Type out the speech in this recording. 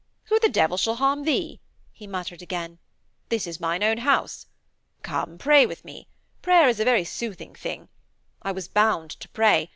'Who the devil shall harm thee?' he muttered again. 'This is mine own house. Come, pray with me. Prayer is a very soothing thing. I was bound to pray.